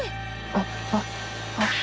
あっあっ！